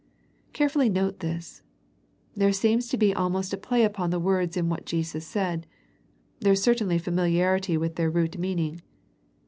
'' Carefully note this. There seems to be al most a play upon words in what Jesus said; there is certainly familiarity with their root meaning.